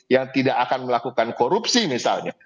yang tidak akan melakukan korupsi misalnya